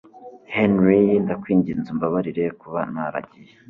Henry ndakwinginze umbabarire kuba naragiye